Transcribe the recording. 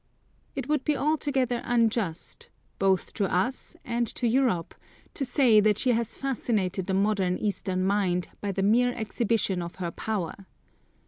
It would be altogether unjust, both to us and to Europe, to say that she has fascinated the modern Eastern mind by the mere exhibition of her power.